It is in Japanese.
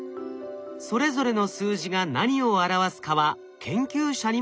それぞれの数字が何を表すかは研究者にも分からない。